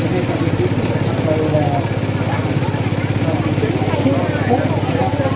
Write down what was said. สวัสดีครับทุกคนวันนี้เกิดขึ้นทุกวันนี้นะครับ